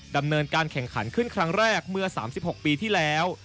ดำเนินการแข่งขันขึ้นครั้งแรกเมื่อ๓๖ปีที่แล้ว